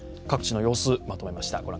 各地の様子、まとめました。